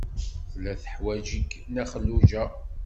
Tella teḥwaj-ik Nna Xelluǧa.